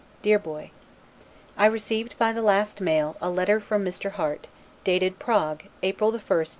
DEAR BOY: I received, by the last mail, a letter from Mr. Harte, dated Prague, April the 1st, N.